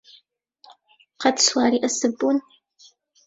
قەت سواری ئەسپ بوون؟